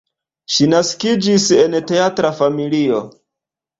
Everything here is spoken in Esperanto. Ŝi naskiĝis en teatra familio.